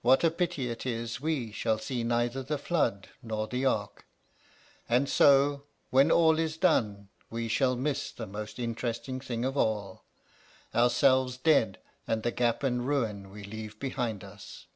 What a pity it is we shall see neither the flood nor the ark! And so, when all is done, we shall miss the most interesting thing of all: ourselves dead and the gap and ruin we leave behind us.